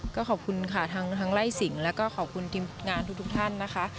ก็ขอบคุณค่ะทั้งไล่สิงแล้วก็ขอบคุณทีมงานทุกท่านนะคะ